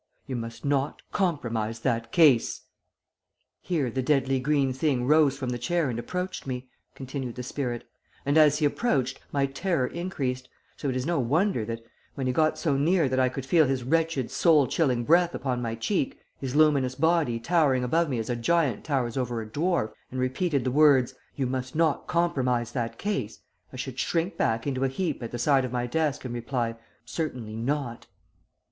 You must not compromise that case.' "Here the deadly green thing rose from the chair and approached me," continued the spirit, "and as he approached my terror increased, so it is no wonder that, when he got so near that I could feel his wretched soul chilling breath upon my cheek, his luminous body towering above me as a giant towers over a dwarf, and repeated the words, 'you must not compromise that case,' I should shrink back into a heap at the side of my desk, and reply, 'Certainly not.'"